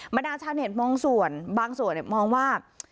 มณาฉันเห็นมองส่วนบางส่วนเนี่ยมองว่า